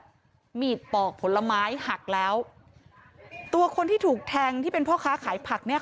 มีดปอกผลไม้หักแล้วตัวคนที่ถูกแทงที่เป็นพ่อค้าขายผักเนี้ยค่ะ